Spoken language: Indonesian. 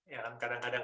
ya kadang kadang kan